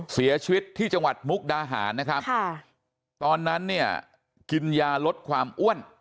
เสียชีวิตที่จังหวัดมุกดาหารนะครับค่ะตอนนั้นเนี่ยกินยาลดความอ้วน